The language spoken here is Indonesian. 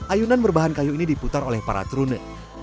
ayunan berbahan kayu ini diputar oleh para trune